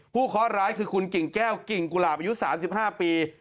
เคาะร้ายคือคุณกิ่งแก้วกิ่งกุหลาบอายุ๓๕ปี